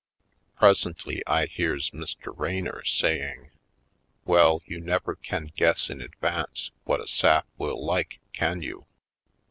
Presently I hears Mr. Raynor saying: "Well, you never can guess in advance what a sap will like, can you?